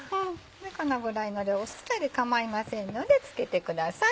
このぐらいの量うっすらで構いませんので付けてください。